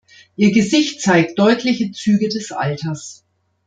Ihr Gesicht zeigt deutliche Züge des Alters.